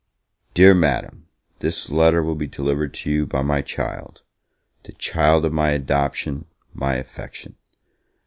Dear Madam, THIS letter will be delivered to you by my child the child of my adoption my affection!